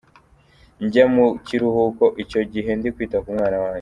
Njya mu kiruhuko icyo gihe ndi kwita ku mwana wanjye.